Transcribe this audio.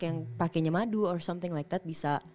yang pakainya madu or something like that bisa